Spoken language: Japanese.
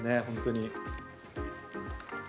本当に。